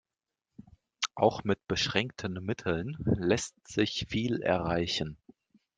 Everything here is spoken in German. Auch mit beschränkten Mitteln lässt sich viel erreichen.